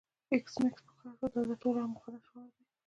ایس میکس په قهر شو دا تر ټولو احمقانه شعار دی